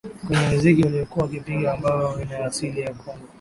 Kwenye miziki waliyokuwa wakipiga ambayo ina asili ya Congo